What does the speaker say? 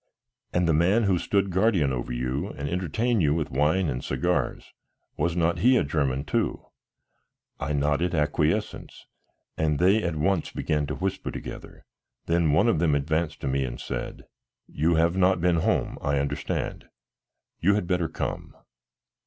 "And the man who stood guardian over you and entertained you with wine and cigars, was not he a German too?" I nodded acquiescence and they at once began to whisper together; then one of them advanced to me and said: "You have not been home, I understand; you had better come."